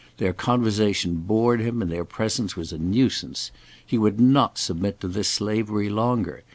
Their conversation bored him and their presence was a nuisance. He would not submit to this slavery longer.